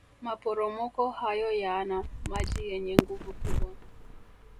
maporomoko hayo yaana maji yenye nguvu kubwa